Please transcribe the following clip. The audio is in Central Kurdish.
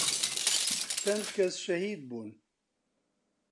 چەند کەس شەهید بوون